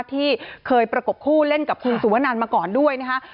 ที่เคยประกบคู่เล่นกับคุณสุวนันมาก่อนด้วยนะคะ